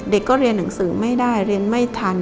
เด็กก็เรียนหนังสือไม่ได้เรียนไม่ทัน